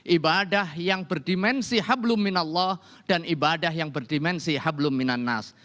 ibadah yang berdimensi hablum minallah dan ibadah yang berdimensi hablum minannas